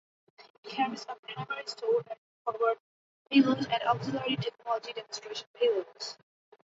It carries a primary store and forward payload and auxiliary technology demonstration payloads.